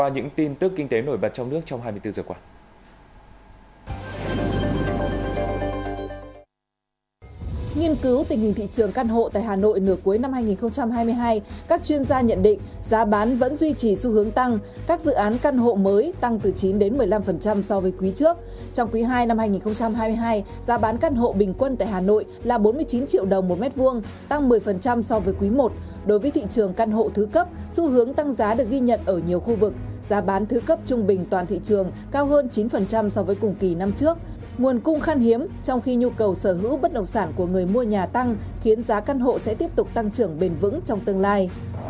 nguồn cung khăn hiếm trong khi nhu cầu sở hữu bất động sản của người mua nhà tăng khiến giá căn hộ sẽ tiếp tục tăng trưởng bền vững trong tương lai